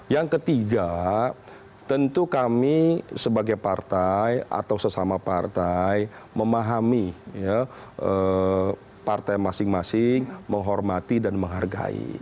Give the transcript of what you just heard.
yang ketiga tentu kami sebagai partai atau sesama partai memahami partai masing masing menghormati dan menghargai